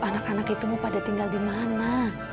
anak anak itu mau pada tinggal di mana